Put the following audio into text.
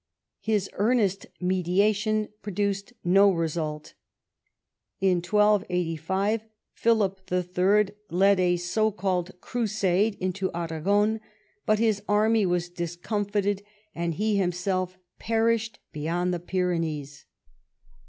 His earnest mediation pro duced no result. In 1285 Philip III. led a so called Crusade into Aragon, but his army was discomfited, and he himself perished beyond the Pyrenees.